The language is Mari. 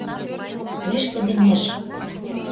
ВИШКЫДЕМЕШ